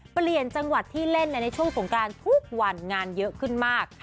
เปลี่ยนจังหวัดที่เล่นในช่วงสงกรานทุกวันงานเยอะขึ้นมาก